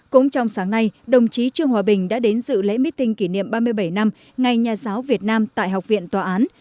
cũng trong sáng nay đồng chí trương hòa bình đã đến dự lễ meeting kỷ niệm ba mươi bảy năm ngày nhà giáo việt nam tại học viện tòa án